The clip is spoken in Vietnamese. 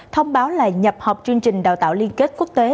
thông báo là nhập học chương trình đào tạo liên kết quốc tế